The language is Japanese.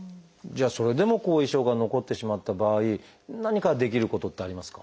それでも後遺症が残ってしまった場合何かできることってありますか？